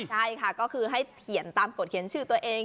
ใช่ค่ะก็คือให้เขียนตามกฎเขียนชื่อตัวเอง